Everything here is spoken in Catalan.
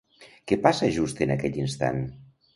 Què passa just en aquell instant?